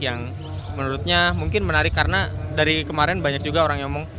yang menurutnya mungkin menarik karena dari kemarin banyak juga orang yang ngomong